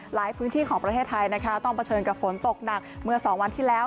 หลายพื้นที่ของประเทศไทยนะคะต้องเผชิญกับฝนตกหนักเมื่อสองวันที่แล้ว